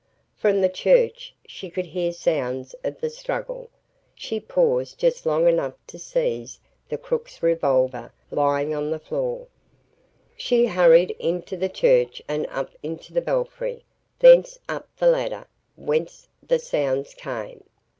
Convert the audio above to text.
From the church she could hear sounds of the struggle. She paused just long enough to seize the crook's revolver lying on the floor. She hurried into the church and up into the belfry, thence up the ladder, whence the sounds came.